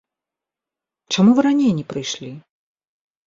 Чаму вы раней не прыйшлі?